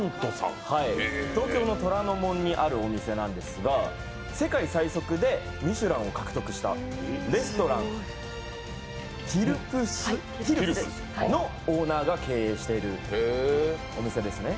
東京の虎ノ門にあるお店なんですが世界最速でミシュランを獲得したレストラン、ＴＩＲＰＳＥのオーナーが経営しているお店ですね。